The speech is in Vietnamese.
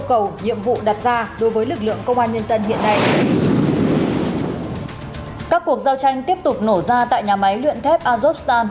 các cuộc giao tranh tiếp tục nổ ra tại nhà máy luyện thép azovstan